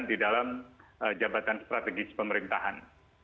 di dalam jabatan strategis pemerintahan